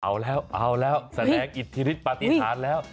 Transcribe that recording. เอาแล้วเอาแล้วแสดงอิทธิฤทธิปฏิหารแล้ว